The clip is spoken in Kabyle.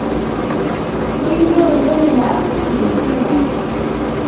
Win yuṛǧan lɛebd, ad yens i laẓ.